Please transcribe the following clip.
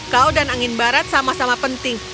kau dan angin barat sama sama penting